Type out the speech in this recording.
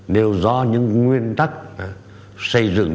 nếu do những nguyên tắc xây dựng